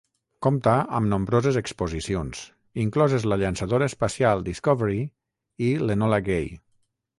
Compta amb nombroses exposicions, incloses la llançadora espacial "Discovery" i l'"Enola Gay".